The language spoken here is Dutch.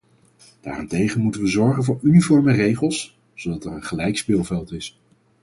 Daarentegen moeten we zorgen voor uniforme regels, zodat er een gelijk speelveld is.